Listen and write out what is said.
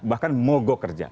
bahkan mogok kerja